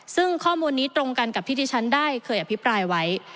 ซึ่งข้อมูลนี้ตรงกันกับที่ที่ฉันได้เคยอภิปรายไว้